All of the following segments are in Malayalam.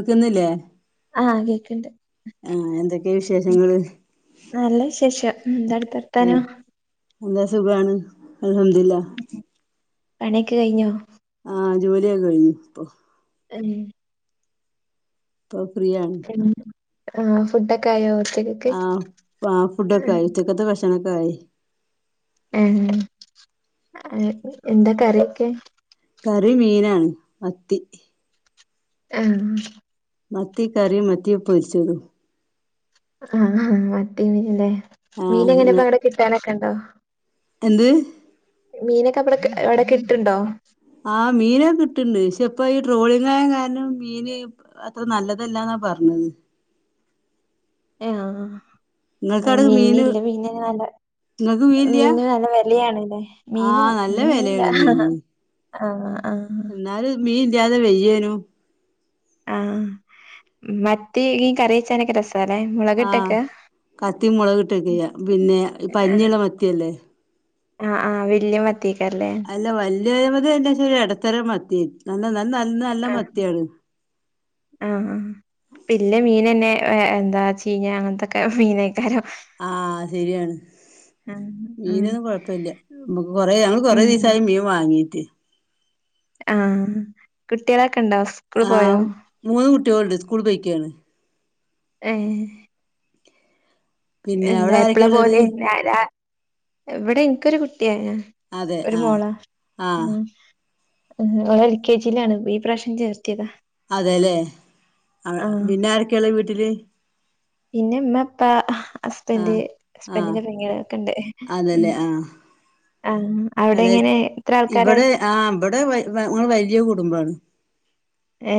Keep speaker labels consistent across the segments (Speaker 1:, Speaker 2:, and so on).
Speaker 1: അക്യോന്നല്ലേ
Speaker 2: ആഹ കേക്കണ്ട്
Speaker 1: ആഹ എന്തൊക്ക
Speaker 2: നല്ല വിശേഷം ന്തട്
Speaker 1: ഏ എന്താ സുഖമാണ് അൽഹംതില്ല
Speaker 2: പണ്യോക്ക് കഴിഞ്ഞോ
Speaker 1: ആഹ ജോലിയക്ക കഴിഞ്ഞു ഇപ്പൊ
Speaker 2: ഉം
Speaker 1: പ്പോ ഫ്രീ യാണ്
Speaker 2: ആഹ ഫുഡ് ഒക്കെ ആയോ ഉച്ചക്കക്ക്
Speaker 1: ആഹ ആ ഫുഡൊക്കെ ആയി ചിക്കത്ത് ഭക്ഷണക്കെ ആയി
Speaker 2: ആ എന്താ കറിയൊക്കെ
Speaker 1: കറി മീനാണ് മത്തി
Speaker 2: ആഹ
Speaker 1: മത്തി കറിയും മത്തി പൊരിച്ചതും
Speaker 2: ആഹ മത്തി മീനല്ലേ മീന
Speaker 1: ആഹ്
Speaker 2: എങ്ങനെപ്പോ അങ്ങടെ കിട്ടാനൊക്കെ ഉണ്ടോ
Speaker 1: എന്ത്
Speaker 2: മീനൊക്കെ അവിടെ എവിടെക്കെ കി ട്ട് ണ്ടോ
Speaker 1: ആഹ് മീന കിട്ടണ്ട് പക്ഷെ ഇപ്പൊ ഈ ട്രോളിങ്ങായ കാരണം മീന് അത്ര നല്ലതല്ലാന്ന് പറഞ്ഞത്
Speaker 2: ആഹ
Speaker 1: നിങ്ങൾക്കവിടെ
Speaker 2: മീന
Speaker 1: മീന്
Speaker 2: ഇല്ല [unintelligible]
Speaker 1: നിങ്ങക്ക് മീനില്ല
Speaker 2: മീന് നല്ല വിലയാണല്ലേ മീന്
Speaker 1: ആഹ് നല്ല
Speaker 2: ഇന്ന് മീല്ല ആഹ
Speaker 1: എന്നാല മീൻ ഇല്ലാതെ വയ്യേനു
Speaker 2: ആഹ മത്തി ഈ കറിച്ചാനൊക്കെ രസ
Speaker 1: ആഹ കത്തി മുളകി ട്ടക്കെ ചെയ്യ പിന്നെ
Speaker 2: ആഹ്
Speaker 1: പഞ്ഞീള മത്തിയല്ലേ
Speaker 2: ആഹ് ആഹ് വല്യ മാത്യേക്കരല്ലേ
Speaker 1: [unintelligible] ഇടത്തരം മത്തി നല്ല നല്ല നല്ല
Speaker 2: ആഹ
Speaker 1: മത്തിയാണ്
Speaker 2: ആഹ പിന്നെ മീനന്നെ എന്താ വച്ച അങ്ങനത്തെക്കെ മീനക്കാരൊക്കെ
Speaker 1: ആഹ ശരിയാണ്
Speaker 2: ആഹ് ഉം
Speaker 1: മീനൊന്നും കൊഴപ്പ ഇില്ല നമ്മക്ക് കൊറെ ഞങ്ങൾ കൊറെേ
Speaker 2: ഉം
Speaker 1: ദിവസമായി മീൻ വാങ്ങീട്ട്
Speaker 2: ആഹ കുട്ടികളൊക്കെ ഉണ്ടോ സ്കൂൾ
Speaker 1: ആ
Speaker 2: പോയോ
Speaker 1: മൂന്ന് കുട്ടികളണ്ട് സ്കൂൾ പയിക്കുകയാണ്
Speaker 2: ഏ
Speaker 1: പിന്നെ
Speaker 2: എന്താ
Speaker 1: അവിടെ
Speaker 2: എപ്പളെ
Speaker 1: ആരൊക്കെയാ ഉള്ളത്
Speaker 2: പോലെന്ന ഇവിടെ എനിക്കൊരു കുട്ടി വ
Speaker 1: അതെ
Speaker 2: ഒരു
Speaker 1: ആഹ്
Speaker 2: മോള
Speaker 1: ആഹ്
Speaker 2: ഉ എൽ കെ ജിലാണ് ഈ പ്രാവശനം ചേർ
Speaker 1: അതെല്ലേ പിന്നെ ആരൊക്കെയള്ളേ വീട്ടില്
Speaker 2: പിന്നെപ്പ ഹസ്ബൻഡറ്
Speaker 1: ആഹ് ആഹ്
Speaker 2: ഹസ്ബൻറിന്റെ പെങ്ങിട ഒക്കെ ഉണ്ട് ഉ
Speaker 1: അത
Speaker 2: ആൾക്കാരാ
Speaker 1: ഇവിടെ ആ ഇവിടെങ്ങൾ വലിയ കുടുംബമാണ്
Speaker 2: ഏ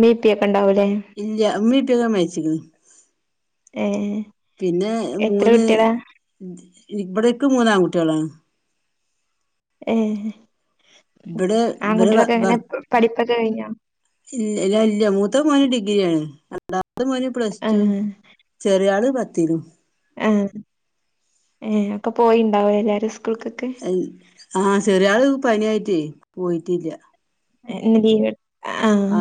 Speaker 2: മട്ട
Speaker 1: ഇല്ല അമ്മീപ്പക്ക മച്ചിക്ക
Speaker 2: ഏഹ്
Speaker 1: പിന്നെ
Speaker 2: എത്ര
Speaker 1: മൂന്ന്
Speaker 2: കുട്ടികളാ
Speaker 1: ഇവിടെക്ക മൂന്നാ കുട്ടികളെ
Speaker 2: ഏ
Speaker 1: ഇവരെ
Speaker 2: ആകുട്ടികളൊക്കെ
Speaker 1: ഭർ
Speaker 2: എങ്ങനെ പഠിപ്പൊക്കെ കഴിഞ്ഞ
Speaker 1: രണ്ടാ മ പ്ലസ് ടു
Speaker 2: ആഹ്
Speaker 1: ചെറിയള് പത്തിര
Speaker 2: ആ ഏ ഒക്കെ പോയിണ്ടാവ എല്ലാരും സ്കൂൾക്കൊക്കെ
Speaker 1: ആഹ ചെറിയ ആള് പനി ആയിട്ടേ പോയിട്ടില്ല
Speaker 2: എ ആഹ
Speaker 1: ആ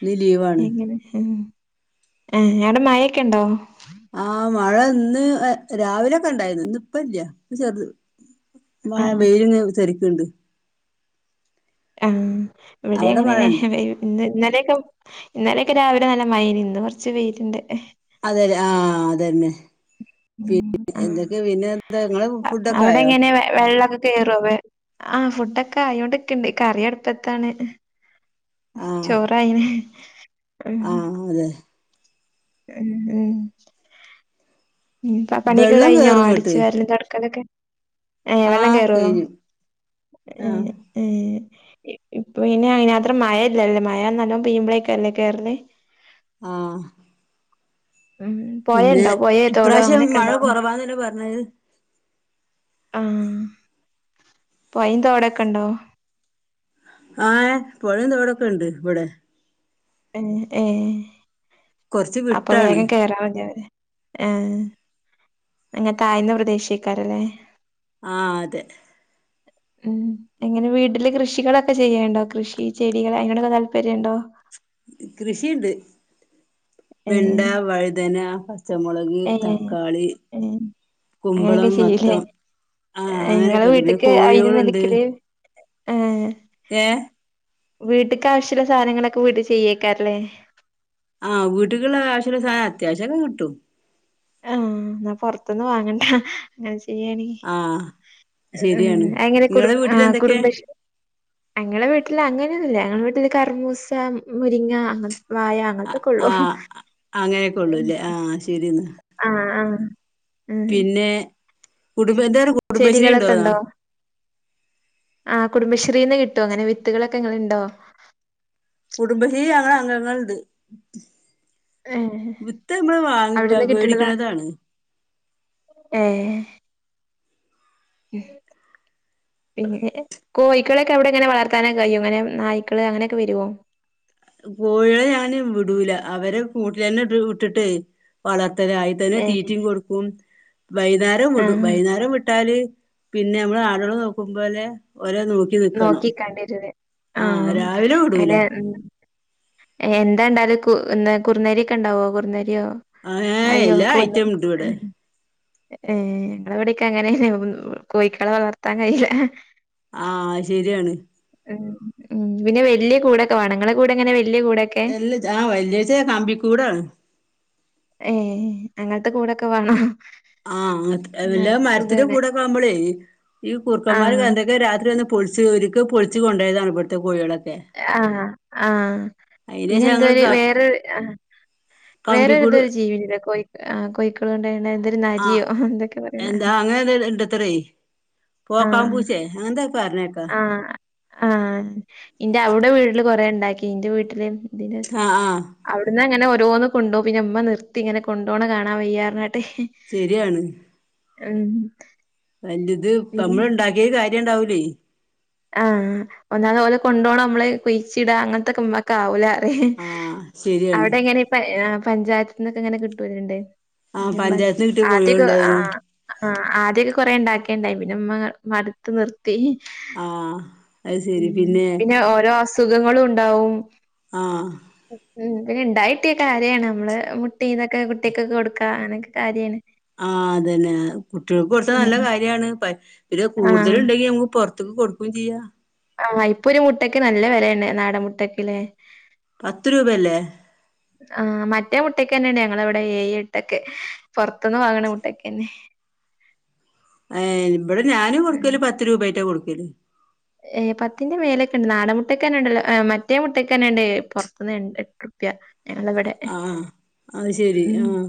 Speaker 1: ഇന്ന് ലീവാണ്
Speaker 2: എങ്ങനെ ആ ഞടെ മായൊക്കെ ഉണ്ടോ
Speaker 1: ആ മഴ ഇന്ന് രാവിലെക്കെ ഉണ്ടായിരുന്നു ഇന്ന് ഇപ്പ ഇല്ല ഇപ്പ ചെറുത് ആ
Speaker 2: ആഹ്
Speaker 1: വെയില രക്കുണ്ട്
Speaker 2: ആ ഇവിടെ
Speaker 1: അവിടെ മഴ
Speaker 2: അങ്ങനെന്നെ ഇന്നലൊക്കെ ഇന്നലെയൊക്കെ രാവിലെ നല്ല മൈനി ഇന്ന് കുറച്ച് പേരുന്റെ
Speaker 1: അതെ ആഹ അതന്നെ
Speaker 2: ഉം
Speaker 1: പിന്ന
Speaker 2: ആഹ്
Speaker 1: എന്തൊക്കെയ പിന്നെ എന്താ നിങ്ങള് ഫുഡൊക്കെ
Speaker 2: അവിടെ
Speaker 1: ആയോ
Speaker 2: എങ്ങനെ വെള്ളൊക്കെ കേറോ ആഹ് ഫുഡോ ക്കെ ആയോണ്ടൊക്കെയ ഇണ്ട് കറ അടുപ്പത്താണ് ചോറായിന്
Speaker 1: ആഹ അതെ
Speaker 2: ഉം ഉം ഉൊ പണിയൊക്കെ
Speaker 1: വെള്ളം
Speaker 2: കഴിഞ്ഞോ
Speaker 1: കേറും
Speaker 2: അടടിച്ച്
Speaker 1: ഇങ്ങട്ട്
Speaker 2: വരലും തൊടക്കതൊക്കെ ഏ
Speaker 1: ആ
Speaker 2: വെള്ളം കേയറോ
Speaker 1: കഴിഞ്ഞു ആ
Speaker 2: ഇപ്പൊ ഇന്നെ അങ്ങന അത്ര മഴ ഇല്ലല്ലേ മഴ നല്ലോ പീമ്പളേക്കല്ലേ കേയറല്
Speaker 1: ആഹ
Speaker 2: ഉം പോയ ഇണ്ടാവ പോയേ തോടോ
Speaker 1: ഇപ്രാവശ്യം
Speaker 2: അങ്ങനെയൊക്കെ
Speaker 1: മഴ
Speaker 2: ഇണ്ടാവ
Speaker 1: കുറവാന്നല്ലേ പറഞ്ഞത്
Speaker 2: ആഹ പോ അയിന്തോടെൊക്കെ ഉണ്ടോ
Speaker 1: ആഹ് പുഴന്തോടൊക്കെ ഉണ്ട് ഇവിടെ
Speaker 2: ഉ ഏ
Speaker 1: കൊറച്ച്
Speaker 2: അപ്പൊ
Speaker 1: വിട്ടാണ്
Speaker 2: വേഗം കേയറാ മതി ആഹ അങ്ങന തഴ്ന്ന പ്രദേശിക്കാരല്ലേ
Speaker 1: ആ അതെ
Speaker 2: ഉം എങ്ങനെ വീട്ടില് കൃഷികളൊക്കെ ചെയ്യണ്ടോ കൃഷി ചെടികൾ അങ്ങനെയൊക്കെ താല്പര്യുണ്ടോ
Speaker 1: കൃഷിയുണ്ട്
Speaker 2: ഏഹ്
Speaker 1: വെണ്ട വഴുതന പച്ചമുളക്
Speaker 2: ഏഹ്
Speaker 1: തക്കാളി
Speaker 2: ഏഹ് അങ്ങനെയൊക്കെ
Speaker 1: കുമ്പളം
Speaker 2: ചെയ്യൂലേ
Speaker 1: മത്തം ആഹ
Speaker 2: ഏ ഇങ്ങളെ
Speaker 1: അങ്ങനൊക്കെണ്ട് പിന്നെ
Speaker 2: വീട്ട്ക്ക് അയിനൊന്നും
Speaker 1: കോഴികോൾുണ്ട്
Speaker 2: എടുക്കല്
Speaker 1: ഏഹ
Speaker 2: വീട്ടക്ക്വശ്യമുള്ള സാധനങ്ങളൊക്കെ വീട്ട ചെയ്യേക്കാറല്ലേ
Speaker 1: ആഹ് വീട്ടിലുള്ള കാശുള്ള സാധനം അത്യാവശ്യമൊക്കെ കിട്ടും
Speaker 2: ആഹ് ന്നാ പൊറത്ത്ന്ന് വാങ്ങണ്ട ശരിയാണി
Speaker 1: ആഹ് ശരിയാണ്
Speaker 2: അങ്ങനെ
Speaker 1: നിങ്ങളെ
Speaker 2: ആ
Speaker 1: വീട്ടിൽ എന്തൊക്കെ
Speaker 2: കുടുംബശ ഞങ്ങളെ വീട്ടില് അങ്ങനെയൊന്നുല്ല ഞങ്ങളടെ വീട്ടില് കർമൂസ മുരിങ്ങ അങ്ങ വായ അങ്ങ
Speaker 1: ആ അങ്ങനെയൊക്കെ ഉള്ളൂല്ലേ ആ ശരിന്നാ
Speaker 2: ആ ആ
Speaker 1: പിന്നെ കുടുംബ [unintelligible] കുടുംബശ്രീ ഉണ്ടോന്നോ
Speaker 2: ആ കുടുംബശ്രീന്ന് കിട്ടോങ്ങനെ വിത്തുകളൊക്കെ ഇങ്ങളുണ്ടോ
Speaker 1: കുടുംബശ്രീ അങ്ങള് അംഗങ്ങളുണ്ട്
Speaker 2: ഏഹ്
Speaker 1: വിത്ത നമ്മള് വാങ്ങ മേടിക്കണതാണ്
Speaker 2: ഏ പിന്നെ കോഴക്കളക്കെ അവിടെങ്ങനെ വളർത്താനൊ കഴിയോ അങ്ങനെ നായ്ക്കള് അങ്ങനെയൊക്കെ വരൊ
Speaker 1: കോഴികളെ ഞാന് വിടൂല അവര് കൂട്ടിലന്നെ ഇട്ട് വിട്ടിട്ടേ വളർത്ത ത്ത ആയി തന്നെ
Speaker 2: ഏഹ്
Speaker 1: തീറ്റയും കൊടുക്കും വൈന്നേരം വിടും
Speaker 2: ആഹ്
Speaker 1: വൈന്നേരം വിട്ടാല് പിന്നെ മ്മള് ആടോളെ നോക്കുമ്പോലെ
Speaker 2: നോക്കിക്കണ്ടിരും ആ
Speaker 1: ആഹ് രാവിലെ വിടൂല
Speaker 2: അനെ എന്താണ്ടാല് കു എ കുർനരി ഒക്കെ ഉണ്ടാവോ കുർന്നരി
Speaker 1: ഏഹ്
Speaker 2: അയ്യോ
Speaker 1: എല്ലാ
Speaker 2: ക്ക്
Speaker 1: ഐറ്റം ഉണ്ട് ഇവിടെ
Speaker 2: ഏ ഞങ്ങളിവിടേക്ക അങ്ങന കോഴിക്കളെ വളർത്താൻ കഴിയില്ല
Speaker 1: ആ ശരിയാണ്
Speaker 2: ഉ ഉം പിന്നെ വല്യയ കൂടൊക്കെ വാണം ങ്ങളെ കൂട് ങ്ങനെ വലി
Speaker 1: എല്ല ആ വല്യജ് കമ്പിക്കൂടാണ്
Speaker 2: ഏ അങ്ങനത്തെ കൂടൊക്കെ വാണൊ
Speaker 1: ആഹ് വല്ല മരത്തിന്റെ കൂടൊക്കെ ആവുമ്പളേ ഈ കുർക്കന്മാര്
Speaker 2: ആഹ്
Speaker 1: ന്തക്കെ രാത്രി വന്ന് പൊൾച്ച് ഒരുക്ക് പൊൾച്ച് കൊണ്ടയതാണ് ഇവടത്തെ കോഴികളെ
Speaker 2: ആ ആ പിന്നെ
Speaker 1: അയിനേഷം ഞങ്ങൾ
Speaker 2: എന്തുവായി
Speaker 1: ക
Speaker 2: വേറെ ആ
Speaker 1: കമ്പിക്കൂട്
Speaker 2: വേറേതൊരു ജീവില്ല കോ ആ കോയിക്കള കൊണ്ട് എന്തൊരു നരിയോ എന്തൊക്കെ പറയണ
Speaker 1: ഇണ്ടത്ര പോക്കാൻ പൂച്ചേ അങ്ങനന്ത
Speaker 2: ആ ആ ഇന്റെ ഔടെ വീട്ടില് കൊറെ ണ്ടാക്കി ന്റെ വീട്ടില് ഇ
Speaker 1: ആഹ് ആഹ്
Speaker 2: അവിടന്ന് അങ്ങനെ ഓരോന്ന് കൊണ്ടോവും പിന്നെ ഇമ്മ നിർത്തി ഇങ്ങെനെ കൊണ്ടോണ കാണാൻ വയ്യാഞ്ഞിട്ട്
Speaker 1: ശരിയാണ്
Speaker 2: ഉം
Speaker 1: നല്ലത് പ്പ മ്മള്
Speaker 2: പിന്നെ
Speaker 1: ണ്ടാക്കിയ കാര്യണ്ടാവൂലേ
Speaker 2: ആഹ് ഒന്നാത് ഓലെ കൊണ്ടോണം നമ്മള് കുഴിച്ചിടാ അങ്ങനത്തൊക്കെ മ്മക്ക് ആവൂലന്ന
Speaker 1: ആഹ് ശരിയാണ്
Speaker 2: അവിടെ എങ്ങനെ പഞ്ചായത്തി നിന്നൊക്കെ എങ്ങനെ കിട്ടുവലുണ്ട്
Speaker 1: ആഹ് പഞ്ചായത്തിന് കിട്ടിയ
Speaker 2: ആദ്യക്കെ ആ
Speaker 1: കോഴികളുണ്ടായിരുന്നു
Speaker 2: ആ ആദ്യക്കെ കൊറ ഉണ്ടാക്കേണ്ടായി പിന്നെമ്മ മടുത്ത് നിർത്തി
Speaker 1: ആഹ് അത് ശരി
Speaker 2: പിന്നെ ഓരോ അസുഖങ്ങളും ഉണ്ടാവും
Speaker 1: ആഹ്
Speaker 2: ഉം പിന്നെ ഇണ്ടായിട്ടിയ കാര്യാണ് നമ്മള് മുട്ടി ഇതൊക്കെ കുട്ട്യാക്ക് കൊടുക്കാ അങ്ങനെക്കെ കാര്യാണ്
Speaker 1: ആ അതന്നെ കുട്ട്യാൾക്ക് കൊടുത്ത
Speaker 2: ഉം.
Speaker 1: നല്ല കാര്യാണ് പിന്നെ
Speaker 2: ആഹ്.
Speaker 1: കൂടുതല ഉണ്ടെങ്കി പൊറത്ത്ക്ക് കൊടുക്കും ചെയ്യ
Speaker 2: ആഹ് ഇപ്പൊ ഒരു മുട്ടക്ക് നല്ല വിലയാണ് നാടൻ മുട്ടക്കല്ലേ
Speaker 1: പത്ത് രൂപല്ലേ
Speaker 2: മുട്ടക്കെന്നയാണ് ഞങ്ങളെവിടെ ഏയ് എട്ടക്കെ പൊറത്തുന്ന് വാങ്ങണ മുട്ടക്കന്നെ
Speaker 1: ഏ ഇവിടെ ഞാനും കൊടുക്കല് പത്ത് രൂപായിട്ടാ കൊടുക്കല്
Speaker 2: ഏ പത്തിന്റെ മേലൊക്കെണ്ട് നാടൻ മുട്ടക്ക തന്നെ ഉണ്ടല്ലോ മറ്റേ മുട്ടക്കെന്നെണ്ട് പുറത്തുന്ന് എട്ടുർപ്യ വെടെ
Speaker 1: ആഹ് അത് ശരി
Speaker 2: ഉം
Speaker 1: ആഹ്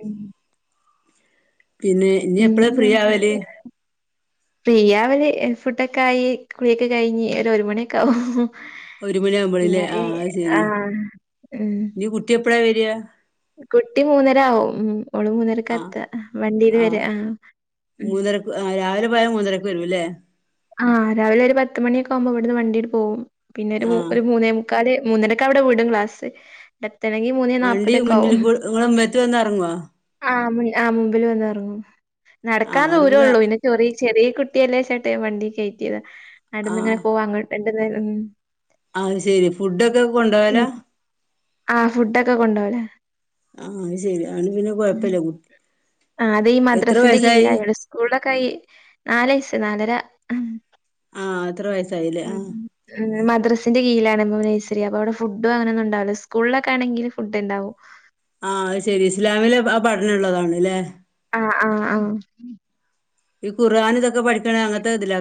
Speaker 2: ഉം
Speaker 1: പിന്നെ ഇനി എപ്പഴാ ഫ്രീ
Speaker 2: പിന്നെന്താ
Speaker 1: ആവല്
Speaker 2: പ്രിയ അവര് ഫുഡൊക്കെ ആയി കുളിയൊക്കെ കഴിഞ്ഞ് ഒരു ഒരു മണിയൊക്കെ ആക
Speaker 1: ഒരു മണി ആവുമ്പോളല്ലേ ആഹ അ ശെരി
Speaker 2: ആഹ്. ഉം.
Speaker 1: നീ കുട്ടി എപ്പഴാ വരിയാ
Speaker 2: കുട്ടി മൂന്നര ആകവും ഉ ഒഓള് മൂന്നരക്ക
Speaker 1: ആഹ്
Speaker 2: എത്ത വണ്ടിൽ വരാ
Speaker 1: ആഹ്
Speaker 2: ആ
Speaker 1: മൂന്നരക്ക് രാവിലെ പോയാൽ മൂന്നരക്ക് വരുും അല്ലേ
Speaker 2: ആഹ് രാവിലെ ഒരു പത്ത് മണിയൊക്കെ ആവുമ്പോ അവിടുന്ന് വണ്ടീയിട്ട പോവുംും പിന്നെ
Speaker 1: ആഹ്
Speaker 2: ഒരു മൂന്നേ മൂന്നരക്കെ അവിടെ പോയിടും ക്ലാസ് ണങ്കി മൂന്ന
Speaker 1: വണ്ടി
Speaker 2: നാല്പ്പതൊക്കെ
Speaker 1: മുന്നിൽ
Speaker 2: ആാവും
Speaker 1: കൂടെ നിങ്ങളെ മുമ്പത്ത് വന്ന് ഇറങ്ങുവോ
Speaker 2: ആ ആഹ മുമ്പിൽ വന്ന ഇറങ്ങും
Speaker 1: ആഹ്
Speaker 2: നടക്കാൻ
Speaker 1: അവിടെ
Speaker 2: ദൂരമള്ളൂ പിന്നെ ചെറിയ ചെറിയ കുട്ടിയല്ലേ ചേട്ട വണ്ടി കയറ്റിയത് അടുന്ന് ഇങ്ങനെ പോവാ അങ്ങട്ട് ഉ
Speaker 1: അഹ ശെരി ഫുഡൊക്കെ കൊണ്ടപോല
Speaker 2: ആ ഫുഡ് ഒക്കെ കൊണ്ടപോലെ
Speaker 1: ആഹ അത് ശെരിയണ് പിന്നെ കൊഴപ്പില്ല കുട്ടി
Speaker 2: ആ അത ഈ
Speaker 1: എത്ര
Speaker 2: മദ്രാസിന്റെ
Speaker 1: വയസ്സായി
Speaker 2: കീയിലയളൂ സ്കൂളിലൊക്കെ നാലയ നാലര
Speaker 1: ആഹ് എത്ര വയസ്സായില്ലേ
Speaker 2: ഉ
Speaker 1: ആഹ്
Speaker 2: ്രസിന്റെ കീഴാണ്പോ നഴസ അപ്പ അവിടെ ഫുഡും അങ്ങനെന്ന ഉണ്ടാവല്ല സ്കൂിലൊക്കെ ആെങ്ക ഫു് ഉണ്ടാവും
Speaker 1: ആഹ അത് ശെരി ഇസ്ലാമിലെ പഠനംള്ളതാണ്ല്ലേ
Speaker 2: ആഹ ആഹ ആഹ
Speaker 1: ഈ ഖുആൻ ഇതൊക്കെ പഠിക്കണ അങ്ങനത്തെ ഇതില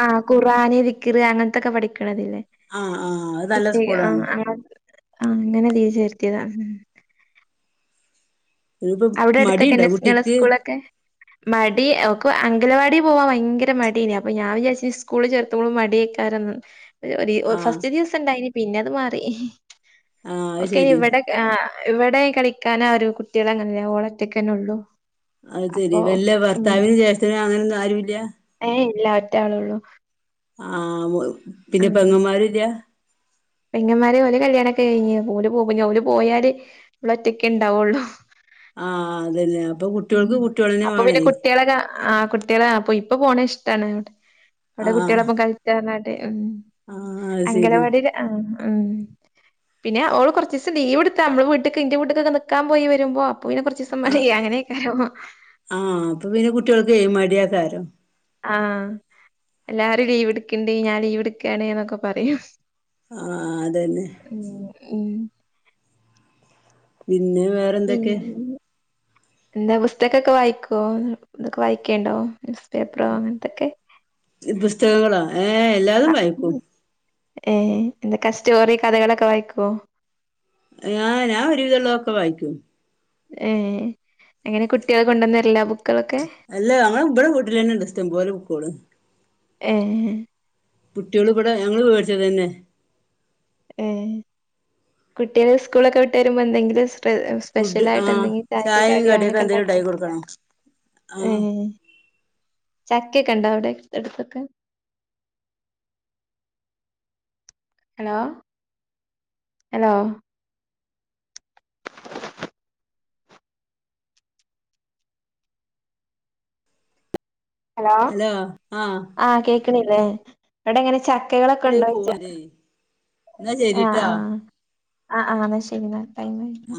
Speaker 2: ആഹ ഖുറആാന വിക്ർ അങ്ങനത്തൊക്കെ പഠിക്കണതില്ലേ
Speaker 1: ആഹ് ആഹ് അത് നല്ല
Speaker 2: കുട്ടിക
Speaker 1: സ്കൂളാണ്
Speaker 2: ആഹ ആ അങ്ങനെ തീച്ചരുത്തിയതാ ഉ
Speaker 1: ഇനിയിപ്പോ
Speaker 2: അവിടെ
Speaker 1: മടിയുണ്ടോ
Speaker 2: അടുത്തൊക്കെ
Speaker 1: കുട്ടിക്ക്
Speaker 2: സ്കൂളൊക്കെ മടി ഇപ്പൊ അംഗലവാടി പോവാൻ ഭയങ്കര മടീനെ അപ്പൊ ഞാൻ വിചാച്ച സ്കൂിൽ ചേർത്തോൾ മിയക്കാരന്ന് ര് ഒരീ
Speaker 1: ആഹ്
Speaker 2: ഫസ്റ്റ് ദിവസം ഉണ്ടായിന് പിന്നെ അത് മാറി
Speaker 1: ആഹ് അത്
Speaker 2: ഓക്കെ
Speaker 1: ശെരി
Speaker 2: ഇവിടെ ആ ഇവിടെ കളിക്കാന ആ ഒരു കുട്ടികള അങ്ങനെയ ഓളറ്റക്കന്നെ ഉള്ളൂ
Speaker 1: അഹ് ശെരി
Speaker 2: അപ്പൊ
Speaker 1: വല്ല
Speaker 2: ഉം
Speaker 1: ഭർത്താവിനും ചേഷ്ടനും അങ്ങനെ ഒന്നും ആരുല്ല
Speaker 2: ഇല്ല ഒറ്റ ആളള്ളു
Speaker 1: ആ പിന്നെ പെങ്ങമാര് ഇല്യ
Speaker 2: പെങ്ങന്മാരെ ഓലെ കല്യാണംക്കെ കഴിഞ് ഓല് പോ ഓല് പോയാല് ള് ഒറ്റക്കെ ഉണ്ടാവുള്ളു
Speaker 1: ആഹ് അതന്നെ അപ്പൊ കുട്ടിൾക്ക് കുട്ടിളെന്നെ
Speaker 2: അപ്പൊ
Speaker 1: വേണേ
Speaker 2: പിന്നെ കുട്ട്യാളൊക്കെ ആഹ് കുട്ടിളാ അപ്പൊ ഇപ്പൊ പോണ ഇഷ്ടാണ് അവിടെ
Speaker 1: ആഹ്
Speaker 2: കുട്ടിളപ്പം കളിച്ചർഞ് ഉ
Speaker 1: ആഹ് അത് ശെരി
Speaker 2: അംഗനവാടില് ആ ആ പിന്നെ അഓള് കൊർചിസം ലീവടുത്ത അമ്മള് വീട്ട്ക് ഇന്റെ വീട്ട്ക്കെക്കെ നിക്കാൻ പോയിവരുമ്പോ പോയന് കൊർച്ചിസം പഷേല്ലെ അങ്ങനയ്ക്കാരോ
Speaker 1: ആഹ് അപ്പൊ പിന്നെ കുട്ടിൾക്ക് എ മടിയ ആ കാരം
Speaker 2: ആഹ് എല്ലാരും ലീവ് എടുക്ണ്ട് ഞാൻ ലീവ് എടുക്കാണ് ന്നൊക്കെ പറിം
Speaker 1: ആഹ് അതന്നെ
Speaker 2: ഉം
Speaker 1: പിന്നെ വേറെ എന്തൊക്കെ
Speaker 2: പിന്നെ എന്താ പുസ്തകൊക്കെ വായിക്കോ തൊക്കെ വായിക്കേണ്ടോ സ്
Speaker 1: ച് പുസ്തകങ്ങളോ ഏ എല്ലാതും വായിക്കും
Speaker 2: ഏ ന്തൊക്കാ സ്റ്റോറി കഥകളൊക്കെ വായിക്കോ
Speaker 1: ഹ് ഞാഞാൻ ഒരു വിതെള്ളൊക്കെ വായിക്കും
Speaker 2: ഏ അങ്ങനെ കുട്ട്യോ കൊണ്ടോന്ന്ര്ല ബു
Speaker 1: അല്ല അങ്ങളെ ബടെ വീട്ടിലന്നെ ഇണ്ട് ഇസ്റ്റം പോലെ ബുക്കേള്
Speaker 2: ഏഹെ
Speaker 1: കുട്ട്യേള് ഇബടെ ഞങ്ങള് വിേടിച്ചത് ന്നെ
Speaker 2: ഏ കുട്ട്യേള് സ്കൂളൊക്കെ വിട്ട് വരുമ്പോ എന്തെങ്കിലുംസ് പെ എ
Speaker 1: ഫുഡ്
Speaker 2: സ്പെഷെലായിട്ട്
Speaker 1: ആഹ്
Speaker 2: എന്തെങ്കി
Speaker 1: ചായയും
Speaker 2: ചായക്ക്കടിയോ
Speaker 1: കടിയൊക്കെ
Speaker 2: അങ്നൊക്കെ
Speaker 1: എന്തേലും
Speaker 2: ണ്ടാക്
Speaker 1: ഉണ്ടാക്കി കൊടുക്കണം
Speaker 2: ഹെ
Speaker 1: ആഹ്
Speaker 2: ചക്കൊക്കെ ണ്ടോ അവിടെ എടുത്തൊക്കെ ഹലോ ഹലോ ഹലോ ആഹ് കേക്ണ്ല്ലേ വിടെങ്ങനെ ചക് ക്കെകളൊക്കെ
Speaker 1: എടീ
Speaker 2: ണ്ടോയ്ച്ച
Speaker 1: പോവ്ണ്ടേ എന്നാ
Speaker 2: ആ
Speaker 1: ശരിട്ടാ
Speaker 2: ആഹ് ആ ആാ ന്ന ശരി ന്നാ ടൈം ആയി
Speaker 1: ആഹ്